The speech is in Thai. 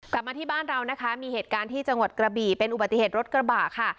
กลับมาที่บ้านเรานะคะมีเหตุการณ์ที่จังหวัดกระบี่เป็นอุบัติเหตุรถกระบะค่ะ